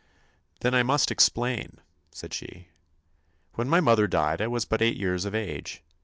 "Then I must explain," said she. "When my mother died I was but eight years of age.